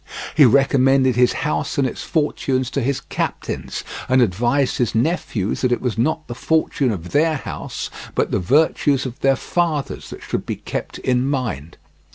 He recommended his house and its fortunes to his captains, and advised his nephews that it was not the fortune of their house, but the virtues of their fathers that should be kept in mind.